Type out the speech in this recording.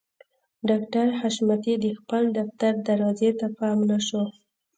ډاکټر حشمتي د خپل دفتر دروازې ته پام نه شو